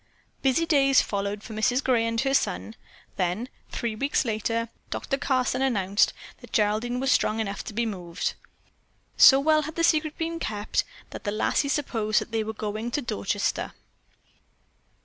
Busy days followed for Mrs. Gray and her son. Then, three weeks later, Doctor Carson announced that Geraldine was strong enough to be moved. So well had the secret been kept that the lassie supposed that they were going to Dorchester.